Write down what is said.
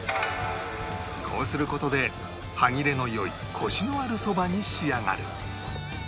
こうする事で歯切れの良いコシのあるそばに仕上がる